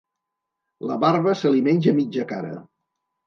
La barba se li menja mitja cara.